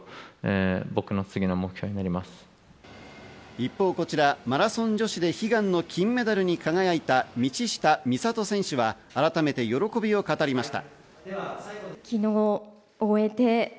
一方こちら、マラソン女子で悲願の金メダルに輝いた道下美里選手は改めて喜びを語りました。